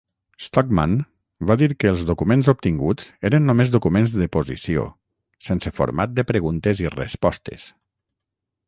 Stockman va dir que els documents obtinguts eren només documents de posició, sense format de preguntes i respostes.